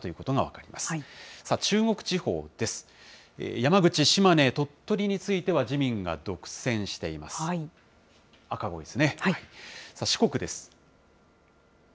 山口、島根、鳥取については自民が独占しています。